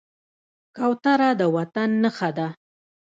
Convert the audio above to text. کوتره د وطن نښه ده.